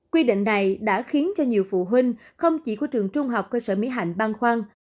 quy định này đã khiến cho nhiều phụ huynh không chỉ của trường trung học cơ sở mỹ hạnh băn khoăn